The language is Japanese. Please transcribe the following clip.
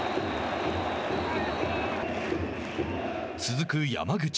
続く山口。